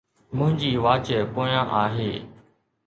منهنجي واچ پويان آهي